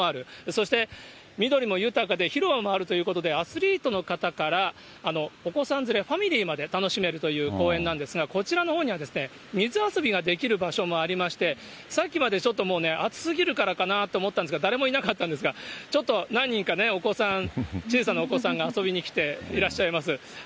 そして緑も豊かで広場もあるということで、アスリートの方からお子さん連れ、ファミリーまで楽しめるという公園なんですが、こちらのほうには水遊びができる場所もありまして、さっきまでちょっともうね、暑すぎるからかなと思ったんですが、誰もいなかったんですが、ちょっと何人かね、お子さん、小さなお子さんが遊びに来ていらっしゃいます。